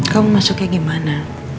kamu masuknya gimana